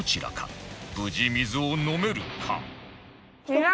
無事水を飲めるか？